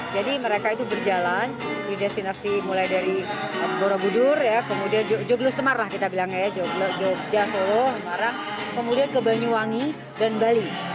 jadi mereka itu berjalan di destinasi mulai dari borobudur kemudian jogja semarang kemudian ke banyuwangi dan bali